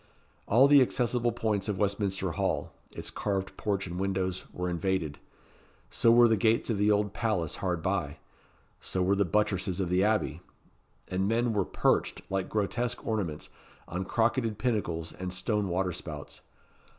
All the accessible points of Westminster Hall its carved porch and windows were invaded. So were the gates of the Old Palace hard by so were the buttresses of the Abbey; and men were perched, like grotesque ornaments, on crocketed pinnacles and stone water spouts.